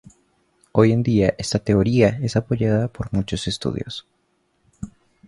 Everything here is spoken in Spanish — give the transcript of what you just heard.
Hoy en día esta teoría es apoyada por muy pocos estudios.